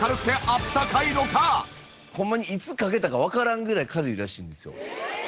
ではホンマにいつかけたかわからんぐらい軽いらしいんですよ。